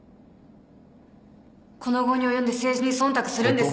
この期に及んで政治に忖度するんです。